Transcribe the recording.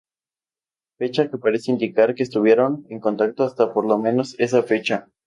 Fecha que parece indicar que estuvieron en contacto hasta por lo menos esa fecha.